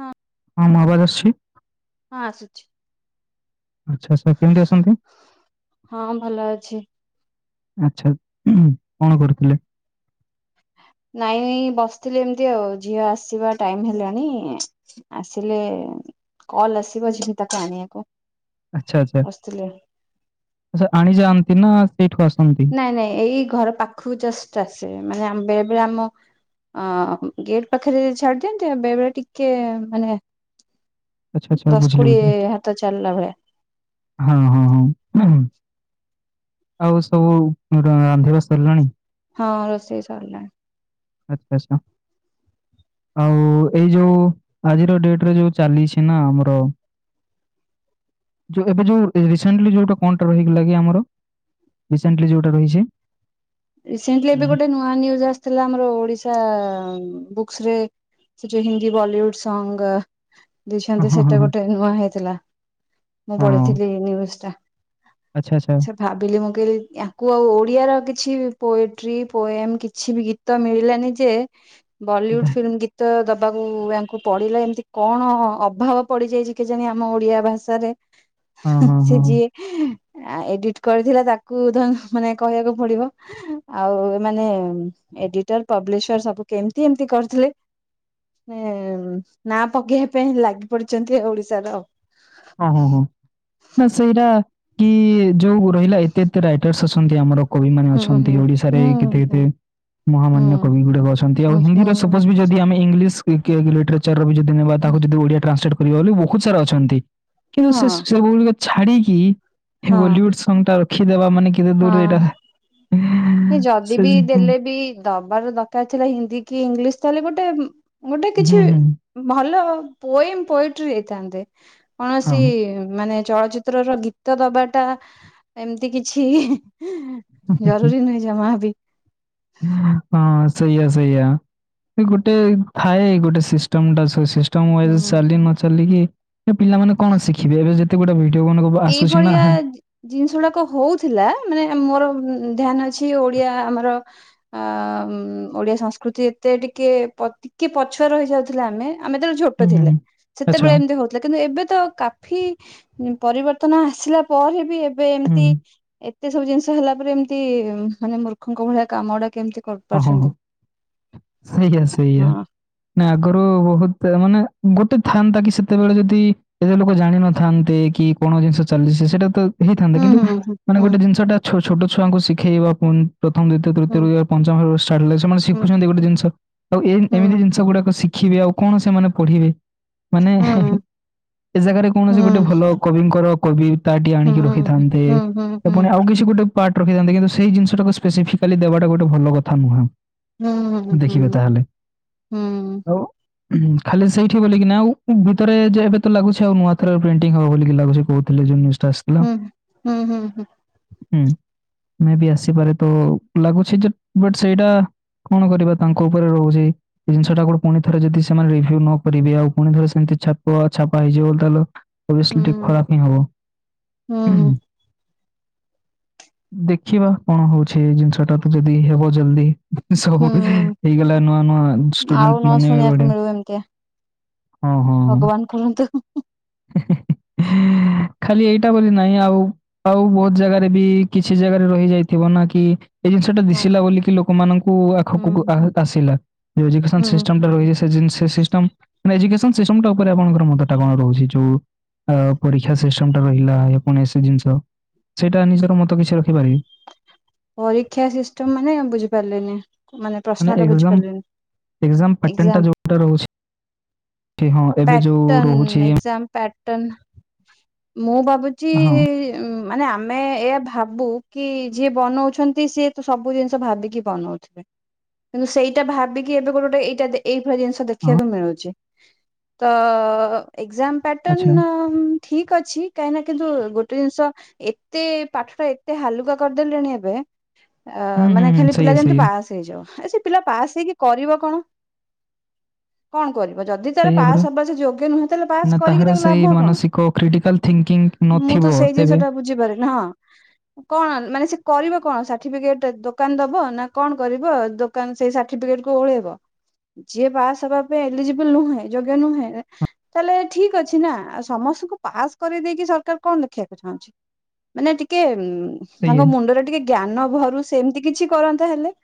ହଁ। ହଁ ମର୍ ବାକ୍ ଆସ୍‌ଛି। ହଁ ଆସୁଛି। ଆଚ୍ଛା ସେକେଣ୍ଡ୍ ଇଅର୍ ସମଥିଙ୍ଗ୍ ହଁ ଭଲ ଅଛି। ଆଚ୍ଛା ଉହୁ କଣ କରୁଥିଲେ? ନାଇଁ ବସ୍‌ଥିଲି ଏମତି ଆଉ ଝିଅ ଆସିବା ଟାଇମ ହେଲାଣି ଆସିଲେ କଲ ଆସିବ ଝିବି ତାକୁ ଆଣିଆକୁ। ଆଚ୍ଛା ଆଚ୍ଛା ଆଣି ଯାଆନ୍ତି ନା ସେଇଠୁ ଆସନ୍ତି? ନା ନାଇଁ ଏଇ ଘର ପାଖୁକୁ ଜଷ୍ଟ ଆସେ ମାନେ ଆମ୍ ବେଳେ ବେଳେ ଆମ ଆଁ ଗେଟ୍ ପାଖେରେ ଛାଡ଼ି ଦିଅନ୍ତ ବେଳେବେଳେ ଟିକେ ମାନେ ଆଚ୍ଛା ଆଚ୍ଛା ଦଶ ବୁଝିଲି କୋଡିଏ ବୁଝିଲି। ହାତ ଚାଲ୍‌ଲା ଭଳିଆ। ହଁ ହଁ ହଁ ଉଁହୁ। ଆଉ ସବୁ ଉଁ ରା ରାନ୍ଧିବା ସର୍ ଲାଣି? ହଁ ରୋଷେଇ ସର୍ ଲାଣି। [unintelligible] ଆଉ ଏଇ ଯୋଉ ଆଜିର ଡେଟ ରେ ଯୋଉ ଚାଲିଛି ନା ଆମର ଯୋଉ ଏବେ ଯୋଉ ଏ ରିସେଣ୍ଟଲି ଯୋଉଟା କଣ୍ ଟା ରହିଗଲା କି ଆମର? ରିସଣ୍ଟଲି ଯୋଉଟା ରହିଛି? ରିସେଣ୍ଟଲି ଅ ଏବେ ଗୋଟେ ନୂଆ ନ୍ୟୁଜ ଆ ସ୍‌ଥିଲା ଆମର ଓଡିଶା ବୁକ୍ସରେ। ସେ ଯେଉ ହିନ୍ଦୀ ବଲିଉୁଡ ସଙ୍ଗ ହଁ ଦେଇଛନ୍ତି ହଁ ହଁ ସେଟା ହଁ। ଗୋଟେ ନୂଆ ହେଇଥିଲା ମୁଁ ହଁ, ପଢିଥିଲି ନିଉଜ୍‌ଟା। ଆଚ୍ଛା ଆଚ୍ଛା। ଭାବିଲି ମୁଁ କଇଲି ୟାଙ୍କୁ ଆଉ ଓଡିଆ ର କିଛି ପୋଏଟ୍ରି ପୋଏମ୍ କିଛି ବି ଗୀତ ମିଳିଲାନି ଯେ ଦେ ବଲିଉଡ ଫିଲ୍ମ ଗୀ ତ ଦବାକୁ ୟାଙ୍କୁ ପଡିଲା ଏମ୍ ତି କଣ ଅଭାବ ପଡିଯାଇଛି କେଜାଣି ଆମ ଓଡିଆ ଭାଷାରେ? ହଁ ହଁ ସେ ହଁ। ଯିଏ ଏଡିଟ କରିଥିଲା ତାକୁ ଧ ମାନେ କହିବାକୁ ପଡିବ। ଆଉ ମାନେ ଏଡିଟର ପବ୍ଲିସର ସବୁ କେମିତି ଏମତି କରିଥିଲେ। ନେ ନା ପକେଇବା ପାଇଁ ଲାଗି ପଡିଛନ୍ତି ଓଡିଶାର। ଓ ହଁ ହୋ ନା ସେଇଟା କି ଯୋଉ ରହିଲା ଏତେ ଏତେ ରାଇଟର୍ସ ଅଛନ୍ତି ଆମର କବି ମାନେ ହୁଁ ହୁଁ ଅଛନ୍ତି ହୁଁ ଓଡିଶାରେ କେତେ ହୁଁ କେତେ ହୁଁ ମହାମାନ୍ୟ କବି ଗୁଡାକ ଅଛନ୍ତି ଆଉ ହୁଁ ହିନ୍ଦୀର ହୁଁ ସପୋଜ ବି ଯଦି ଆମେ ଇଂଲିଶ କିଏଲିଟଚର ବି ଯଦି ନେବା ତାକୁ ଯଦି ଓଡିଆ ଟ୍ରାନ୍ସଲେଟ୍ କରିବା ବୋଲି ବହୁତ ସାରା ଅଛନ୍ତି। କିନ୍ତୁ ହଁ ସେ ସେବୁ ଗୁଡିକ ଛାଡିକି ହଁ ବଲିଉଡ ସଙ୍ଗ ଟା ରଖିଦବା ମାନେ କି କେତେ ଦୂର ଏଇଟା ହଁ ଯଦି ସେ ବି ହୁଁ ଦେଲେ ବି ଦବାର ଦରକାର ଥିଲା ହିନ୍ଦୀ କି ଇଂଲିଶ ତାହେଲେ ଗୋଟେ ଗୋଟେ କିଛି ହୁଁ ଭଲ ପୋଏମ ପୋଏଟ୍ରି ଦେଇଥାନ୍ତେ। ହଁ କୌଣସି ମାନେ ଚଳଚିତ୍ର ର ଗୀତ ଦବାଟା ଏମିତି କିଛି ହୁଁ ହୁଁ। ଜରୁରୀ ଜମା ହବି। ହଁ ସେଇଆ ସେଇଆ। ସେ ଗୋଟେ ଥାଏ ଗୋଟେ ସିଷ୍ଟମ ଟା ସ ସିଷ୍ଟ ଟମ୍ ତା ମୁଁ ଏଜ୍ ହୁଁ ଚାଲି ନ ଚାଲିକି ଏ ପିଲାମାନେ କଣ ଶିଖିବେ ଏବେ ଯଦି ଗୋଟେ ଭିଡିଓ ବନ ଏଇଭଳିଆ ଜିନିଷ ଗୁଡାକ ହଉଥିଲା ମାନେ ମୋର ଧ୍ୟାନ ଛି ଓଡିଆ ଆମର ଅ ଓଡିଆ ସଂସ୍କୃତି ଏତେ ଟିକେ ପ ଟିକେ ପଛୁଆ ରହିଯାଉଥିଲେ ଆମେ ଆମେତେବେଳେ ଛୋଟ ଥିଲେ ହୁଁ, ଆଚ୍ଛା ସେତେବେଳେ ଏମିତି ହୁଁ ହଉଥିଲେ କିନ୍ତୁ ଏବେ ତ କାଫି ପରିବର୍ତ୍ତନ ଆସିଲା ପରେ ବି ଏବେ ଏମିତି ଏତେ ସବୁ ଜିନିଷ ହେଲା ପରେ ଏମିତି ମାନେ ମୂର୍ଖଙ୍କ ଭଳିଆ କାମ ଗୁଡା କେମିତି ହଁ ହଁ ହଁ କରିପାରୁଛନ୍ତି। ସେଇଆ ସେଇଆ। ହଁ। ନା ଆଗରୁ ବୋହୁତ ମାନେ ଗୋଟେ ଥାନ୍ତା କି ସେତେବେଳେ ଯଦି ଏ ଯୋଉ ଲୋକ ଜାଣିିନଥାନ୍ତେ କି କଣ ଜିନିଷ ଚାଲିଛି ସେଇଟା ତ ହେଇଥାନ୍ତା ହୁଁ କିନ୍ତୁ ହୁଁ ମାନେ ହୁଁ ଗୋଟେ ଜିନିଷ ଟା ଛୋଟ ଛୁଆଙ୍କୁ ଶିଖେଇବା ପ୍ରଥମ ଦ୍ଵିତୀୟ ହୁଁ ତୃତୀୟରୁ ପଞ୍ଚମ ଛାଡିଲେ ସେମାନେ ଶିଖୁଛନ୍ତି ଗୋଟେ ଜିନିଷ ଆଉ ଏ ହୁଁ ଏମିତି ଜିନିଷ ଗୁଡାକ ଶିଖିବେ ଆଉ କଣ ସେମାନେ ପଢିବେ। ମାନେ ହୁଁ ହେ ହେ ଏ ଜାଗାରେ ହୁଁ ହୁଁ କୌଣସି ଗୋଟେ ଭଲ କବିଙ୍କର କବି ତାଟି ହୁଁ ହୁଁ ଆଣିକି ରଖିଥାନ୍ତେ ହୁଁ ହୁଁ ହୁଁ ହୁଁ ସେ ପୁଣି ଆଉ କିଛି ଗୋଟେ ପାର୍ଟ ରଖିଥାନ୍ତେ କିନ୍ତୁ ସେଇ ଜିନିଷଟାକୁ ସ୍ପେସିଫାଲି ଦେବାଟା ଗୋଟେ ଭଲ କଥା ନୁହଁ। ହୁଁ ହୁଁ ହୁଁ ଦେଖିବେ ତାହେଲେ ହୁଁ ଆଉ ହୁଁ ଖାଲି ସେଇଠି ବୋଲିକି ନା ଆଉ ଭିତରେ ଯେ ଏବେ ତ ଲାଗୁଛି ଆଉ ନୂଆ ଥ ପ୍ରେଣ୍ଟିଙ୍ଗ ହବ ବୋଲିକି ଲାଗୁଛି। କହୁଥିଲେ ଜିନି ଷ୍ଟାସ। ହୁଁଁ ହୁଁ ହୁଁ ହୁଁ। ହୁଁ ମେ ବି ଆସିପାରେ ତ ଲାଗୁଛି ଯେ ବଟ ସେଇଟା କଣ କରିବା ତାଙ୍କ ଉପରେ ରହୁଛି ଏ ଜିନିଷଟାକୁ ପୁଣି ଥରେ ଯଦି ସେମାନେ ରିଭୁ ନ କରିବେ, ଆଉ ପୁଣି ଥରେ ସେମିତି ଛାପ ଛାପା ହେଇଯିବ ବୋଲି ତାଲ ହୁଁ ଓବିଏସଲି ଟିକେ ଖରାପ ହିଁ ହବ ହୁଁ। ଦେଖିବା କଣ ହଉଛି ଏ ଜିନିଷ ଟା ତ ଯଦି ହେବ ଜଲଦି। ସବୁ ହୁଁ ହେଇଗଲା ନୂଆ ନୂଆ ଆଉ ନ ଷ୍ଟୁଡେଣ୍ଟ ମାନେ ଶୁଣିବାକୁ ବଡେ ମିଳୁ ଏମିତିଆ ହଁ ହଁ। ଭଗବାନ କରନ୍ତୁ ହୁଁ ହୁଁ। ହେଁ ହେଁ ଏ [unintelligible] ଖାଲି ଏଇଟା ବୋଲି ନାହିଁ ଆଉ ଆଉ ବୋହୁତ ଜାଗାରେ ବି କିଛି ଜାଗାରେ ରହି ଯାଇଥିବ ନା କି ଏଇ ଜିନିଷ ଟା ହଁ ଦିଶିଲା ବୋଲିକି ଲୋକମାନଙ୍କୁ ଆଖକୁକୁ ହୁଁ ଆସିଲା। ଏଜୁକସନ ହୁଁ ସିଷ୍ଟମଟା ରହିି [unintelligible] ମାନେ ଏଜୁକସନ ସିଷ୍ଟମ ଟା ଉପରେ ଆପଣଙ୍କର ମୁଣ୍ଡଟା କଣ ରହୁଛି। ଯୋଉ ପରୀକ୍ଷା ସିଷ୍ଟମ ଟା ରହିଲା ଏ କୌଣସି ଜିନିଷ ସେଇଟା ନିଜର ମତ କିଛି ରଖିପାରିବି। ପରୀକ୍ଷା ସିଷ୍ଟମ ମାନେ ବୁଝିପାରିଲିନି। ମାନେ ପ୍ରଶ୍ନଟା ବୁଝିପାରିଲିନି ଏକ୍ସାମ ପାଟର୍ନଟା ଏଗଜାମ। ଯୋଉଟା ରହୁଛି କି ହଁ ଏବେ ଯୋଉ ରହୁଛି ଯାମ ପାଟନ ମୁଁ ଭାବୁଚି ହଁ ଉ ମାନେ ଆମେ ଏୟା ଭାବୁ କି ଯିଏ ବନଉଛନ୍ତି ସିଏ ତ ସବୁ ଜିନିଷ ଭାବିକି ବନଉଥିବେ। କିନ୍ତୁ ସେଇଟା ଭାବିକି ଏବେ ଗୋଟେ ଗୋଟେ ଏଇଟା ଦେ ଏଇଭଳିଆ ଜିନିଷ ହଁ ଦେଖିବାକୁ ମିଳୁଛି ତ ଏଗଜାମ ଆଚ୍ଛା ପାଟନ ମ୍ ଠିକ ଅଛି କାହିଁକି ନା କିନ୍ତୁ ଗୋଟେ ଜିନିଷ ଏତେ ପାଠଟା ଏତେ ହାଲୁକା କରି ଦେଲେଣି ଏବେ ଅ ହୁଁ ହୁଁ ମାନେ ହୁଁ ଖାଲି ପିଲା ସେଇଆ ଯେମିତି ସେଇଆ ପାସ୍ ହେଇ ଯାଉ ଏ ସେ ପିଲା ପାସ୍ ହେଇକି କରିବ କଣ କଣ କରିବ? ଯଦି ତାର ସେଇଆ ପରା ପାସ୍ ହବା ସେ ଯୋଗ୍ୟ ନୁହେଁ ତାଲେ ପାସ ନା କରିକି ତାହାର ତାକୁ ସେଇ ଲାଭ କଣ? ମାନସିକ କ୍ରିଟିକାଲ ଥିଙ୍କିଙ୍ଗ ମୁଁ ତ ନଥିବ ସେଇ ତେବେ ଜିନିଷ ଟା ବୁଝିପାରିନି ହଁ କଣ ମାନେ ସେ କରିବେ କଣ ସାର୍ଟିଫିକେଟ ଦୋକାନ ଦବ ନା କଣ କରିବ ଦୋକାନ ସେଇ ସାର୍ଟିଫିକେଟ କୁ ଓହଳେଇବ। ଯିଏ ପାସ ହବା ପେ ଏଲିଜିିବୁଲ ନୁହେଁ ଯୋଗ୍ୟ ନୁହେଁ ତାଲେ ଠିକ ଅଛି ନା ଆଉ ସମସ୍ତଙ୍କୁ ପାସ୍ କରେଇଦେଇକି ସରକାର କଣ ଦେଖିବାକୁ ଚାହୁଁଛି? ମାନେ ଟିକେ ସେଇଆ ତାଙ୍କ ମୁଣ୍ଡରେ ଟିକେ ଜ୍ଞାନ ଭରୁ ସେ ଏମିତି କିଛି କରନ୍ତା ହେଲେ।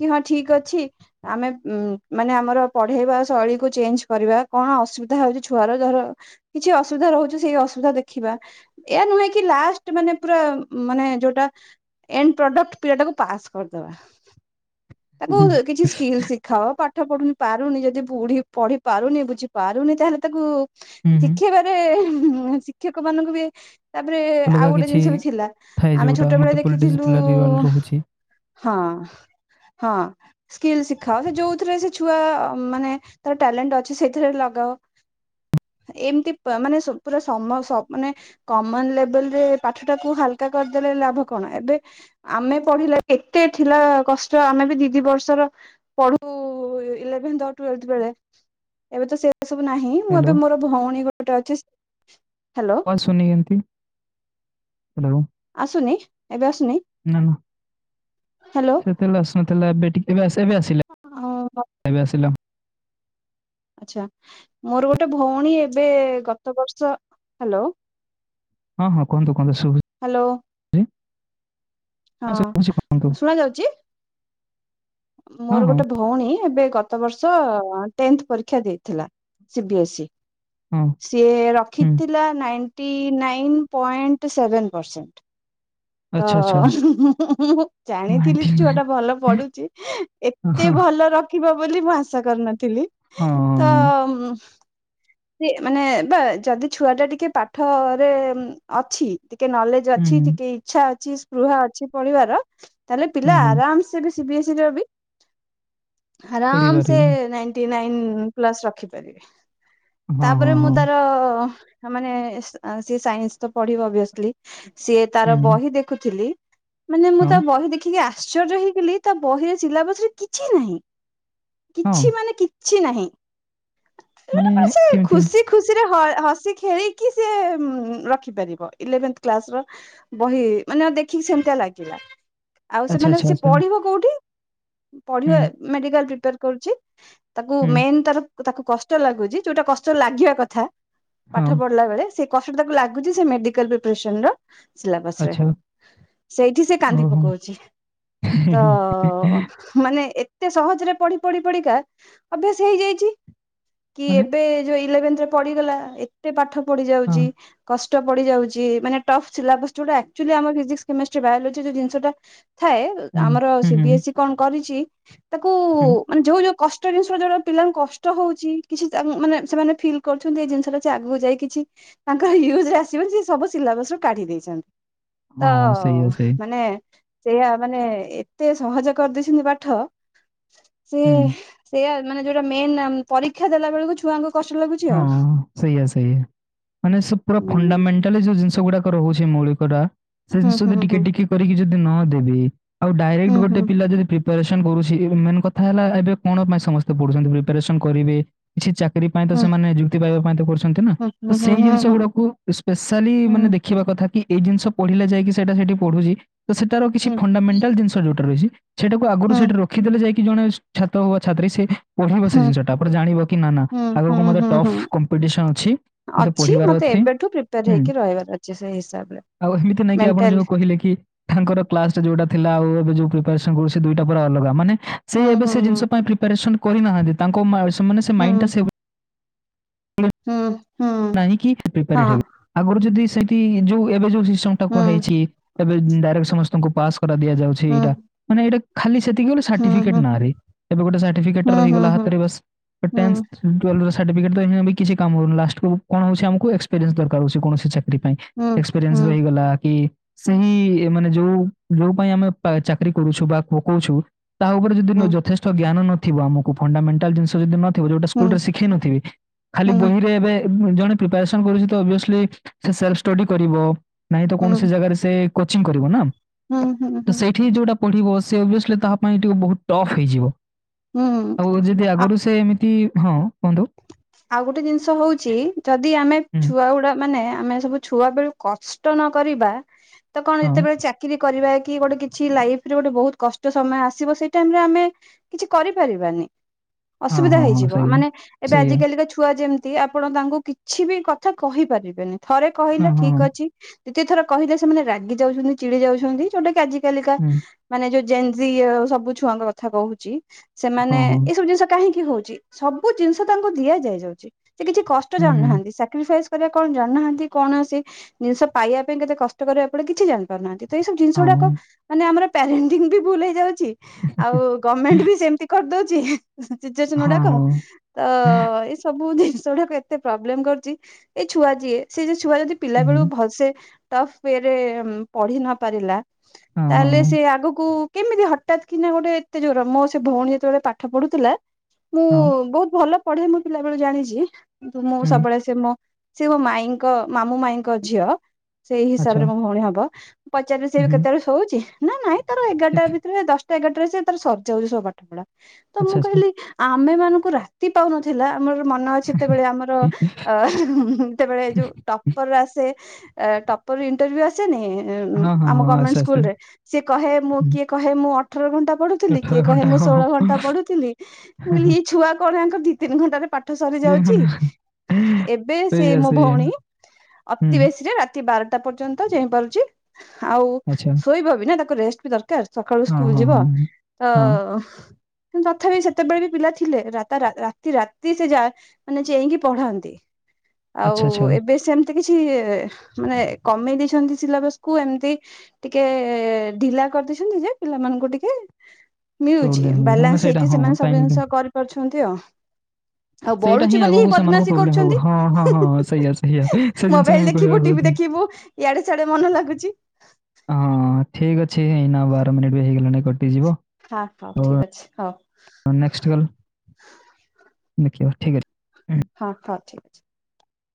କି ହଁ ଠିକ ଅଛି ଆମେ ଉ ମାନେ ଆମର ପଢେଇବା ଶୈଳୀକୁ ଚେଞ୍ଜ କରିବା କଣ ଅସୁବିଧା ହଉଛି ଛୁଆର ଧର କିଛି ଅସୁବିଧା ରହୁଚି ସେଇ ଅସୁବିଧା ଦେଖିବା ଏୟ ନୁହେଁ କି ଲାଷ୍ଟ ମାନେ ପୁରା ମାନେ ଯୋ ଏନ୍ ପ୍ରଡକ୍ଟ [unintelligible] ପାସ୍ କରିଦବା। ହୁଁ। ତାକୁ ହୁଁ କିଛି ସ୍କିଲ୍ ଶିଖ ଖ ପାଠ ପଢୁନି ପାରୁନି ଯଦି ବୁଢୀ ପଢି ପାରୁନି ବୁଝି ପାରୁନି ତାହେଲେ ତାକୁ ହୁଁ ହୁଁ, ଶିଖେଇବାରେ ଶିକ୍ଷକ ମାନଙ୍କୁ ବି ତାପରେ ଅଲଗା ଆଉ ଗୋଟେ କିଛି ଜିନିଷ ବି ଥିଲା ଥାଏ ଆମେ ଯୋଉଟା ଛୋଟ ବେଳେ ମଲ୍ଟିପୁଲ ଦେଖିଥିଲୁ ଡିସିପ୍ଲିନାରୀ ୱାଲ ରହୁଛି ହଁ ହଁ ସ୍କିଲ୍ ଶିଖାଅ ସେ ଯୋଉଥିରେ ସେ ଛୁଆ ମାନେ ତର ଟ୍ୟାଲେଣ୍ଟ ଅଛି ସେଇଥିରେ ଲଗାଅ। ଏମିତି ମାନେ ପୁରା ସମସ ମାନେ କମନ ଲେବଲ ରେ ପାଠ ଟାକୁ ହାଲକା କରିଦେଲେ ଲାଭ କଣ ଏବେ ଆମେ ପଢିଲା କେତେ ଥିଲା କଷ୍ଟ ଆମେ ବି ଦି ଦି ବର୍ଷର ପଢୁ ଇଲେଭେନ୍ ତ୍ୱେଲ୍ଭେଥ ବେଳେ ଏବେ ତ ସେ ସବୁ ନାହିଁ ମୁଁ ହ୍ୟାଲୋ ଏବେ ମୋର ଭଉଣୀ ଗୋଟେ ଅଛି ହେଲୋ [unintelligible] ହ୍ୟାଲୋ ଆସୁନି ଏବେ ଆସୁନି ନା ନା ହ୍ୟାଲୋ ସେତେବେଳେ ଆସୁନଥିଲା ଏବେ ଟିକେବେ ଆସ ଏବେ ଆସିଲା। ଏବେ ଆସିଲା। ଆଛା ମୋର ଗୋଟେ ଭଉଣୀ ଏବେ ଗତ ବର୍ଷ ହେଲୋ ହଁ ହଁ କୁହନ୍ତୁ କୁହନ୍ତୁ ସୁବି ହାଲୋ ଶୁଭୁଛି କୁହନ୍ତୁ ହଁ ଶୁଣାଯାଉଚି? ହଁ ମୋର ହଁ ଗୋଟେ ଭଉଣୀ ଏବେ ଗତ ବର୍ଷ ଟେନ୍ଥ୍ ପରୀକ୍ଷା ଦେଇଥିଲା ସି ବି ଏସ୍ ଇ। ହଁ ସିଏ ହୁଁ ରଖିଥିଲା ninety nine point seven percent. ତ ଆଚ୍ଛା ଆଚ୍ଛା ମୁଁ ଜାଣିଥିଲି ହଁ ଛୁଆଟା ଭଲ ପଢୁଚି ଏତ୍ ହଁ ତେ ହଁ, ଭଲ ରଖିବ ବୋଲି ମୁଁ ଆଶା କରିନଥିଲି। ହଁ ତ ସିଏ ମାନେ ବା ଯଦି ଛୁଆଟା ଟିକେ ପାଠରେ ଅଛି ଟିକେ ନଲେଜ୍ ଯେ ହୁଁ ହୁଁ ଅଛି ଟିକେ ଇଛା ଅଛି ସ୍ପୃହା ଅଛି ପଢିବାର ତାହେଲେ ପିଲା ହୁଁ ହୁଁ ଆରାମସେ [inaudible] ଆରାମ ସେ ଖୋଲିପାରିବୁ। ଟି ନାଇନ୍ ପ୍ଲସ୍ ରଖିପାରିବେ। ହଁ, ହଁ, ତାପରେ ମୁଁ ହଁ। ତାର ମାନେ ସିଏ ସାଇନ୍ସ ତ ପଢିବ ଅଭିଅସଲି। ସିଏ ତାର ହୁଁ, ବହି ଦେଖୁଥିଲି, ମାନେ ମୁଁ ହଁ, ତାର ବହି ଦେଖିକି ଆଶ୍ଚର୍ଯ୍ୟ ହେଇି ଖିଲି ତା ବହିରେ ସିଲାବସ୍ ରେ କିଛି ନାହିଁ, ହଁ, କିଛି ମାନେ କିଛି ନାହିଁ। ମାନେ ଆ ସେ କେମିତି? ଖୁସି ଖୁସିରେ ହ-ହସି ଖେଳିକି ସିଏ ମ୍-ରଖିପାରିବ ଇଲେଭେନଥ୍ କ୍ଲାସର ବହି ମାନେ ଦେଖିକି ସେମିତିଆ ଲାଗିଲା। ଆଉ ଆଚ୍ଛା, ସେମାନେ ଆଚ୍ଛା, ସେ ଆଚ୍ଛା। ପଢିବ କୋଉଠି, ହୁଁ, ପଢିବ ମେଡିକାଲ ପ୍ରିପ୍ୟାର କରୁଚି। ତାକୁ ହୁଁ, ମେନ୍ ତାର ତାକୁ କଷ୍ଟ ଲାଗୁଚି ଯୋଉଟା କଷ୍ଟ ଲାଗିଆ କଥା ହଁ, ପାଠ ପଢିଲା ବେଳେ ସେ କଷ୍ଟ ତାକୁ ଲାଗୁଚି ସେ ମେଡିକାଲ ପ୍ରିପରେସନର ସିଲବସ୍ ରେ। ଆଚ୍ଛା, ସେଇଠି ସେ କାନ୍ଦି ଓହୋ! ପକଉଚି, ତ ମାନେ ଏତେ ସହଜରେ ପଢି ପଢି ପଢିକା ଅଭ୍ୟାସ ହେଇଯାଇଚି। କି ମାନେ ଏବେ ଯୋଉ ଇଲେଭେନଥ୍ ରେ ପଢିଗଲା ଏତେ ପାଠ ପଡି ହଁ, ଯାଉଚି କଷ୍ଟ ପଡିଯାଉଚି ମାନେ ଟପ୍ ସିଲାବସ୍ ଯୋଉଟା ଅକ୍ଚୁଆଲି ଆମର ଫିିଜିକ୍ସ୍ କେମିଷ୍ଟ୍ରି ବାୟୋଲୋଜି ଯୋଉ ଜିନିଷଟା ଥାଏ ହୁଁ, ଆମର ହୁଁ, ସି ବିି ହୁଁ, ଏସ୍ ଇ କଣ କରିଚି ତାକୁ ହୁଁ, ମାନେ ଯୋଉ ଯୋଉ କଷ୍ ଷ୍ଟ ଜିନିଷ ଯୋଉଟା ପିଲାଙ୍କୁ କଷ୍ ଟ ହଉଚି କିଛି ତା-ମାନେ ସେମାନେ ଫିଲ୍ କରୁଛନ୍ତି ଏଇ ଜିନିଷଟା ସେ ଆଗୁକୁ ଯାଇ କିଛି ତାଙ୍କ ୟୁଜରେ ଆସିବନି ସେ ସବୁ ସିଲାବସରୁ କାଢି ଦେଇଚନ୍ତି। ତ ହଁ, ସେଇଆ ଅ ସେଇ। ମାନେ ସେଇଆ ମାନେ ଏତେ ସହଜ କରିଦେଇସନ୍ତି ପାଠ ସେ ହୁଁ, ସେୟା ମାନେ ଯୋଉଟା ମେନ୍ ପରୀକ୍ଷା ଦେଲା ବେଳୁକୁ ଛୁଆଙ୍କୁ କଷ୍ଟ ଲାଗୁଛି ହଁ ଆଉ। ସେୟା ସେୟା, ଅଛି ମାନେ ସେ ପୁରା ଫଣ୍ଡାମେଣ୍ଟ୍ ଟାଲି ଯୋଉ ଜିନିଷ ଗୁଡାକ ରହୁଚି ମୌଳିକଟା ସେ ଜିନିଷ ଯଦି ଟିକେ ଟିକେ କରିକି ଯଦି ନ ଦେବେ ଆଉ ଡାଇରେକ୍ଟ ଗୋଟେ ପିଲା ଯଦି ପ୍ରି ପାରେସନ୍ କରୁଚି, ମେନ କଥା ହେଲା ଏବେ କଣ ପାଇଁ ସମସ୍ତେ ପଢୁଚନ୍ତିି ପ୍ରିପାରେସନ କରିବେ କିଛି ଚାକିରି ପାଇଁ ତ ସେମାନେ ନିଯୁକ୍ତି ପାଇବା ପାଇଁ ତ କରୁସନ୍ତି ନା, ତ ସେଇ ଜିନିଷ ଗୁଡାକୁ ସ୍ପେଶାଲି ମାନେ ଦେ ଖିବା କଥା କି ଏଇ ଜିନିଷ ପଢିଲେ ଯାଇକି ସେଟା ସେଠି ପଢୁଚି ତ ସେଟାର କିଛି ଫଣ୍ଡାମେଣ୍ଟାଲ ଜିନିଷ୍ ଷ ଯୋଉଟା ରହିଚି ସେଟାକୁ ଆଗୁରୁ ସେଇଠି ରଖିଦେଲେ ଯାଇକି ଜଣେ ସୁ-ଛାତ ହଉ ବା ଛାତ୍ରୀ ସେ ପଢିବ ସେ ଜିନିଷଟା ପରେ ଜାଣିବ କି ନା ନା [inaudible] ମୋତେ ଟଫ୍ କମ୍ପିଡିସନ ଅଛି ମତେ ପଢ଼ିବାର ମତେ ଅଛି ଏବେଠୁ ପ୍ରିପେୟାର ହୁଁ। ହେଇକି ରହିବାର ଅଛି ସେଇ ହିସାବରେ। ଆଉ ହେମିତି ନାଇଁକି ଆପଣ ମେଣ୍ଟାଲି ଯୋଉ କ ହିଲେ କି ତାଙ୍କର କ୍ଲାସ୍ ରେ ଯୋଉଟା ଥିଲା ଆଉ ଏବେ ଯୋଉ ପ୍ରିପାରେସନ କରୁଚି ସେ ଦୁଇଟା ପୁରା ଅଲଗା ମାନେ ସେ ହୁଁ ଏବେ ହୁଁ ସେ ହୁଁ ଜିନିଷ ପାଇଁ ପ୍ରିପାରେସନ କରିନାହାନ୍ତି, ତାଙ୍କ ମା-ସେମାନେ ସେ ହୁଁ ମାଇଣ୍ଡ ଟା ସେଇଭ ହଁ। ନାହିଁ କି ହୁଁ ପ୍ରିପାରେ ହେବି ଆଗରୁ ଯଦି ସେଇଠି ଯୋଉ ଏବେ ଯୋଉ ସିଷ୍ଟମ ଟା ହୁଁ କୁହା ହେଇଛି ଏବେ ଡାଇରେକ୍ଟ ସମସ୍ତଙ୍କୁ ପାସ୍ କରା ଦିଆଯାଉଛି ଏଇଟା ମାନେ ଏଇଟା ଖାଲି ସେତିକି ବୋଲି ହୁଁ ହୁଁ ହୁଁ ହୁଁ ସାର୍ଟିଫିକେଟ ନାଁରେ ଏବେ ଗୋଟେ ସାର୍ଟିଫିକେଟ ରହିଗଲା ହୁଁ ହୁଁ ହୁଁ ହାତରେ ବାସ୍ ଗୋଟେ ହୁଁ ହୁଁ ଟେନ୍ସ ଟୁଏଲଭର ସାର୍ଟିଫିକେଟ ତ କିଛି କାମକୁ ଲାଷ୍ଟକୁ କଣ ହୋଉଛି ଆମକୁ ଏସ୍କପେରିଏନ୍ସ ଦରକାର ହୋଉଛି କୌଣସି ସେଥିପାଇ ଏକ୍ସପେରିଏନ୍ସ ରହିଗଲା କି ସେଇମାନେ ଯୋଉ ଯୋଉ ପାଇଁ ଆମେ ଚାକିରି କରୁଛୁ ବା ପକଉଛୁ ତା ଉପରେ ଯଦି ହୁଁ ହୁଁ ହୁଁ ହୁଁ ଯଥେଷ୍ଟ ଜ୍ଞାନ ନଥିବ ଆମକୁ ଫଣ୍ଡାମେଟାଲ ଜିନିଷ ଯଦି ନଥିବ ଯ କୋଉଟେ ଶିଖେଇ ନଥିବି ଖାଲି ବହିରେ ଏବେ ଜଣେ ପ୍ରିପାରେସନ୍ କରୁଛି ତ ଓଭିଏସଲି ସେ ସେଲ୍ଫଷ୍ଟଡି କରିବ ନାହିଁ ତ କୌଣସି ଜାଗାରେ ସେ କୋଚିଂ କରିବ ନା ହୁଁ ତ ହୁଁ ସେଇଠି ଯୋଉଟା ପଢିବ ସେ ଓଭିଏସିଲି ତାହା ପାଇଁ ଟିକେ ବୋହୁତ ଟଫ୍ ହେଇଯିବ। ହୁଁ ଆଉ ଯଦି ହୁଁ ଆଗରୁ ସେ ଏମିତି ହଁ କୁହନ୍ତୁ? ଆଉ ଗୋଟେ ଜିନିଷ ହୋଉଛି ଯଦି ଆମେ ହୁଁ, ଛୁଆଗୁଡା ମାନେ ଆମେ ସବୁ ଛୁଆ ବେଳୁ କଷ୍ଟ ନକରିବା ତ କଣ ହଁ ଯେତେବେଳେ ଚା ଚାକରି କରିବା କି ଗୋଟେ କିଛି ଲାଇଫରେ ଗୋଟେ ବୋହୁତ କଷ୍ଟ ସମୟ ଆସିବ ସେଇ ଟାଇମରେ ଆମେ କିଛି କରିପାରିବାନି ହଁ ଅସୁବିଧା ହଁ ହଁ ହେଇଯିବ ସେଇଆ ମାନେ ଏବେ ସେଇଆ ଆଜିକାଲି ଛୁଆ ଯେମିତି ଆପଣ ତାଙ୍କୁ କିଛି ବି କଥା କହିପାରିବେନି ଥରେ ହଁ କହିଲେ ହଁ ଠିକ୍ ଅଛି ଦ୍ୱିତୀୟ ଥର କହିଲେ ସେମାନେ ରାଗି ଯାଉଚନ୍ତି ଚିଡି ଯାଉଚନ୍ତି ଯୋଉଟା କି ଆଜିକାଲିକା ମାନେ ଯୋଉ ଜେଞ୍ଜି ସବୁ ଛୁଆଙ୍କ କଥା କହୁଛି ସେମାନେ ହଁ ଏଇସବୁ ଜିନିଷ କାହିଁକି ହୋଉଚି। ସବୁ ଜିନିଷ ତାଙ୍କୁ ଦିଆ ଯାଇ-ଯାଉଛି ସେ କିଛି କଷ୍ଟ ହୁଁ, ଜାଣୁନାହାନ୍ତି ସାକ୍ରିଫାଇସ୍ କରିବା କଣ ଜାଣିନାହାନ୍ତି କୌଣସି ଜିନିଷ ପାଇବା ପାଇଁ କେତେ କଷ୍ଟ କରିବା ପଡେ କିଛି ଜାଣ ନାହାନ୍ତି ତ ଏଇ ସବୁ ଜିନିଷ ହଁ ହଁ ଗୁଡାକ ହୁଁ, ମାନେ ଆମର ପ୍ୟାରେଣ୍ଟି ବି ଭୁଲ ହେଇଯାଉଛି ଆଉ ଗଭର୍ଣମେଣ୍ଟ ବି ସେମିତି କରିଦେଉଛି ସିଚୁଏସନ ହଁ ଗୁଡାକ ହଁ ହଁ ତ ଏଇସବୁ ସବୁ ଜିନିଷ ଗୁଡାକ ଏତେ ପ୍ରୋବ୍ଲେମ କରିୁଛି ଏଇ ଛୁଆ ଯିଏ ସେ ଯୋଉ ଛୁଆ ଯଦି ପିଲା ହୁଁ, ବେଳକୁ ଭଲସେ ଟପ୍ ଉୟେ ରେ ପଢି ନ ପାରିଲା ହଁ ହଁ ତାହେଲେ ସେ ଆଗକୁ କେମିତି ହଠାତ୍ କିନା ଗୋଟେ ଏତେ ଜୋର ମୋ ସେ ଭଉଣୀ ଯେତେବେଳେ ପାଠ ପଢୁଥିଲା ମୁଁ ହଁ ହଁ ବୋହୁତ ଭଲ ପଢେ ମୁଁ ପିଲାବେଳୁ ଜାଣିଛି କିନ୍ତୁ ମୁଁ ହୁଁ, ସବୁବେଳେ ସେ ମୋ ସେ ମୋ ମାଇଁଙ୍କ ମାମୁଁ ମାଇଁଙ୍କ ଝିଅ ସେଇ ଆଚ୍ଛା ହିସାବରେ ମୋ ଭଉଣୀ ହବ ପଚାରିଲି ସେ ଏଵେ ହୁଁ, କେତେବେଳେ ଶୋଉଚି ନା ନାଇଁ ତାର ଏଗାରଟା ଆଚ୍ଛା ଭିତରେ ଦଶଟା ଏଗାରଟାରେ ସେ ତାର ସରିଯାଉଛି ସବୁ ପାଠ ପଢା ତ ମୁଁ ଆଚ୍ଛା କହିଲି ଆମେମାନଙ୍କୁ ରାତି ପାଉନଥିଲା ମୋର ମନ ଅଛି ସେତେବେଳେ ଆମର ଅ ଯେତେବେଳେ ଯୋଉ ଟ ର ଆସେ ଟପର ଇଣ୍ଟରଭ୍ୟୁ ଆସେନି ହଁ ହଁ ଆମ ହଁ ଗଭର୍ଣମେଣ୍ଟ ଆସ୍ତେ ଆସ୍ତେ ସ୍କୁଲ ରେ ସିଏ କହେ ମୁଁ ହୁଁ, କିଏ କହେ ମୁଁ ଅଠର ଘଣ୍ଟା ପଢୁ ଥିଲ କିଏ ଅଠର କହେ ଘଣ୍ଟା ମୁଁ ହଁ ଷୋହ ହଁ ଘଣ୍ଟା ପଢ଼ୁଥିଲି ମୁଁ କହିଲି ଇ ଛୁଆ କଣ ଆଙ୍କ ଦିଇ ତିନି ଘଣ୍ଟାରେ ପା ଠସରି ଯାଉଛି ଏବେ ସେ ମୋ ଭଉଣୀ ଅତି ବେଶୀରେ ରା ରାତି ବାରଟା ପର୍ଯ୍ୟନ୍ତ ଯାଇଁପାରୁଛି ଆଉ ଆଛା। କବ ନା ତାକୁ ରେଷ୍ଟ ବି ଦରକାର ସକାଳୁ ବି ସ୍କୁଲ ଯିବ ତ କିନ୍ତୁ ତଥାପି ସେତେବେଳେ ବି ପିଲା ଥିଲେ ରା ତା ରାତି ରାତି ସେ ଯା ମାନେ ଚେଇଁକି ପଢନ୍ତି ଆଉ ଏବେ ସେମିତି ତେ କିଛି ମାନେ କମେଇ ଦେଇଛନ୍ତି ସିଲାବସକୁୁ ଏମିତି ଟିକେ ଢିଲା କରିଦେଇଛନ୍ତି ଯେ ପିଲାମାନଙ୍କୁ ଟିକେ ମିଳୁଛି ବାଲାନ୍ସ ହେଇକି ସେଇଟା ହଁ ସେମାନେ ସବୁ ଟାଇମ୍ ଟା। ଜିନିଷ କରିପାରୁଛନ୍ତି ଆଉ। ଆଉ ସେଇଟା ବଢୁଛି ବୋଲି ହିଁ ଆଗକୁ ସେମାନଙ୍କୁ ବଦମାସିୀ ପ୍ରୋବ୍ଲେମ୍ ହବ। କରୁଛନ୍ତି। ହଁ, ହଁ, ହଁ ସେଇଆ, ସେଇଆ। ସେ ଜିନିଷ ମୋବାଇଲି ମୁଁ ଦେଖିବୁ କହିବାକୁ ଟିଭି କହୁଥିଲି। ଦେଖିବୁ ଇଆଡେ ସିଆଡେ ମନ ଲାଗୁଚି। ହଁ ଠିକ୍ ଅଛି ଏଇନା ବାର ମିନିଟ୍ ବି ହେଇଗଲାଣି କଟିଯିବ। ହଁ ହଉ ଠିକ୍ ଅଛି, ହଉ। ହଁ ନେକ୍ସଟ୍ କଲ, ଦେଖିବା ଠିକ୍ ଅଛି। ହଁ, ହଁ ଠିକ୍ ଅଛି।